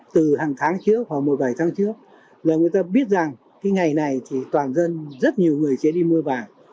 từ hàng tháng trước khoảng một bảy tháng trước là người ta biết rằng cái ngày này thì toàn dân rất nhiều người sẽ đi mua vàng